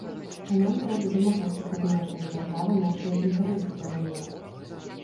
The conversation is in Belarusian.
А нам трэба дамагацца, каб нашая дзяржава нашыя інтарэсы бараніла.